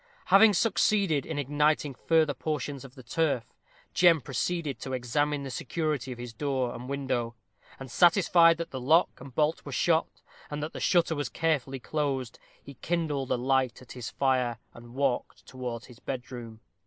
Having succeeded in igniting further portions of the turf, Jem proceeded to examine the security of his door and window, and satisfied that lock and bolt were shot, and that the shutter was carefully closed, he kindled a light at his fire, and walked towards his bedroom.